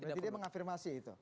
berarti dia mengafirmasi itu